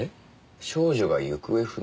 少女が行方不明